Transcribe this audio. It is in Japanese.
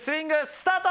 スタート！